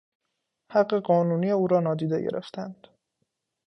حق قانونی او را نادیده گرفتند.